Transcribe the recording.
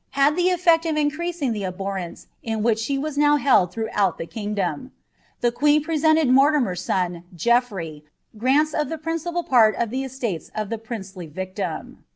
had llie eliefl of increasing the rence in which she was now held iliroughoul the kingdom. Thel. , pr«sc.nted Mortimer's son, GeofTrey, grants of the principal part jflf' estates of the princely victim.